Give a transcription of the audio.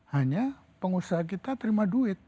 hanya pengusaha kita terima duit